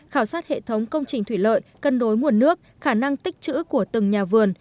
khảo sát hệ thống công trình thủy lợi cân đối nguồn nước khả năng tích chữ của từng nhà vườn